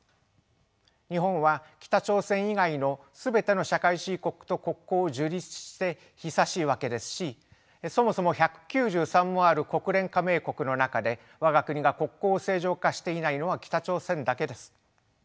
日本は北朝鮮以外の全ての社会主義国と国交を樹立して久しいわけですしそもそも１９３もある国連加盟国の中でわが国が国交を正常化していないのは北朝鮮だけです。